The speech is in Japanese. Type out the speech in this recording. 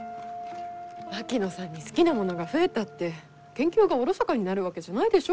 槙野さんに好きなものが増えたって研究がおろそかになるわけじゃないでしょ？